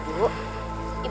ibu jaga diri ya bu